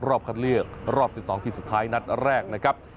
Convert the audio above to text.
รอบคัดเลือกรอบ๑๒ทีมสุดท้ายนัดแรกนะครับ